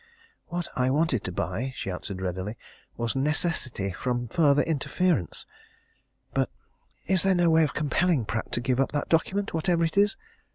"What I wanted to buy," she answered readily, "was necessity from further interference! But is there no way of compelling Pratt to give up that document whatever it is?